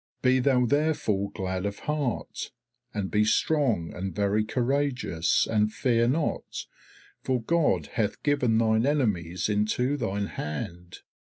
Be thou therefore glad of heart, and be strong and very courageous, and fear not, for God hath given thine enemies into thine hand.